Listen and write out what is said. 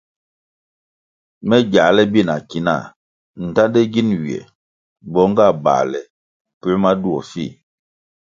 Me giāle bi na ki nah ndtande gin ywiè bong nga bāle puoē ma duo fih.